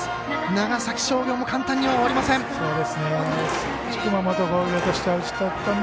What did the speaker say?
長崎商業も簡単には終わりません。